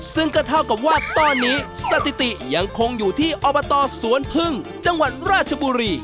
ซึ่งก็เท่ากับว่าตอนนี้สถิติยังคงอยู่ที่อบตสวนพึ่งจังหวัดราชบุรี